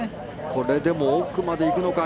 これ、でも奥まで行くのか。